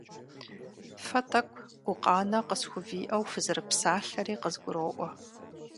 Фэ тӀэкӀу гукъанэ къысхувиӀэу фызэрыпсалъэри къызгуроӀуэ.